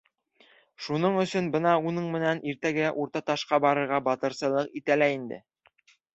Шуның өсөн бына уның менән иртәгә Уртаташҡа барырға батырсылыҡ итә лә инде.